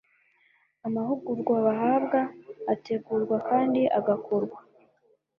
Amahugurwa bahabwa ategurwa kandi agakorwa